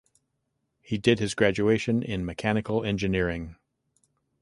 He did his graduation in Mechanical Engineering.